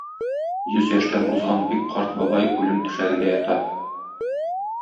Йөз яшьтән узган бик карт бабай үлем түшәгендә ята.